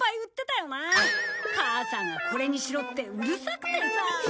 母さんが「これにしろ」ってうるさくてさ。